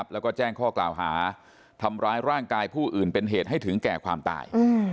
แล้วก็แจ้งข้อกล่าวหาทำร้ายร่างกายผู้อื่นเป็นเหตุให้ถึงแก่ความตาย